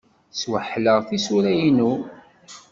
Sweḥleɣ tisura-inu.